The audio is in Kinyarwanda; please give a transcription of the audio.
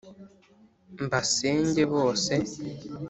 mbasenge bose